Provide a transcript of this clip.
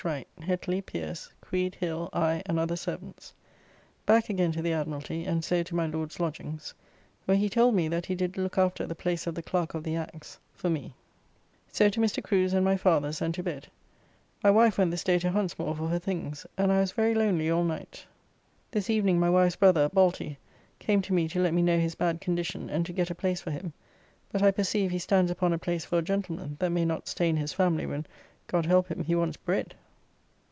Wright, Hetly, Pierce; Creed, Hill, I and other servants. Back again to the Admiralty, and so to my Lord's lodgings, where he told me that he did look after the place of the Clerk of the Acts [The letters patent appointing Pepys to the office of Clerk of the Acts is dated July 13th, 1660.] for me. So to Mr. Crew's and my father's and to bed. My wife went this day to Huntsmore for her things, and I was very lonely all night. This evening my wife's brother, Balty, came to me to let me know his bad condition and to get a place for him, but I perceive he stands upon a place for a gentleman, that may not stain his family when, God help him, he wants bread.